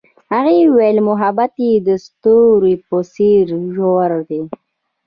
هغې وویل محبت یې د ستوري په څېر ژور دی.